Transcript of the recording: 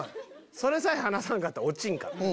それさえ離さんかったら落ちんから！